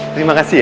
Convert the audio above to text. terima kasih ya